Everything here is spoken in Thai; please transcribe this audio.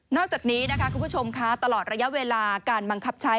อกจากนี้นะคะคุณผู้ชมคะตลอดระยะเวลาการบังคับใช้